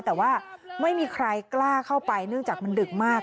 แต่ว่าไม่มีใครกล้าเข้าไปเนื่องจากมันดึกมาก